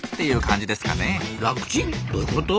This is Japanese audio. どういうこと？